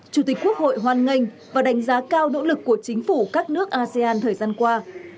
chủ tịch quốc hội hoan nghênh và đánh giá cao nỗ lực của chính phủ các nước asean thời gian qua